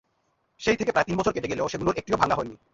সেই থেকে প্রায় তিন বছর কেটে গেলেও সেগুলোর একটিও ভাঙা হয়নি।